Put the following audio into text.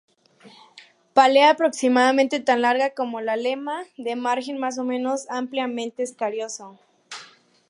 Pálea aproximadamente tan larga como la lema, de margen más o menos ampliamente escarioso.